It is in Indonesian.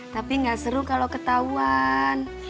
tapi nggak seru kalau ketahuan